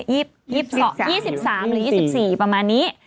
๒๒๓หรือ๒๔ประมาณนี้